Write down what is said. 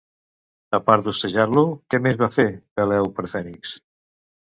A part d'hostatjar-lo, què més va fer, Peleu, per Fènix?